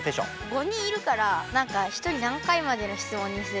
５人いるからひとり何回までの質問にすれば。